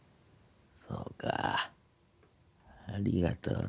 そうかありがとうな。